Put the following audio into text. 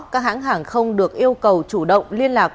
các hãng hàng không được yêu cầu chủ động liên lạc